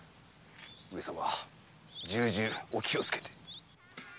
上様重々お気をつけて！